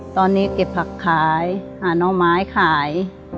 ตอนนี้เก็บผักขายหาน้องไม้ขาย